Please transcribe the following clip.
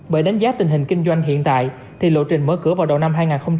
bởi đánh giá tình hình kinh doanh hiện tại thì lộ trình mở cửa vào đầu năm hai nghìn hai mươi